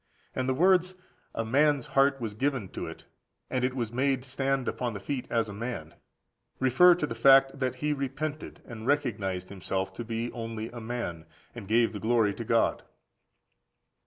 And the words, "a man's heart was given to it, and it was made stand upon the feet as a man," refer to the fact that he repented and recognised himself to be only a man, and gave the glory to God.